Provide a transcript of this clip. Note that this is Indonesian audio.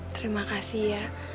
terima kasih ya